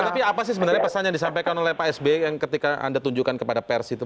tapi apa sih sebenarnya pesan yang disampaikan oleh pak sby yang ketika anda tunjukkan kepada pers itu